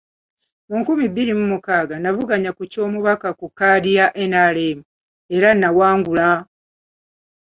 Mu nkumi bbiri mu mukaaga, n’avuganya ku ky’Omubaka ku kkaadi ya NRM era n’awangula.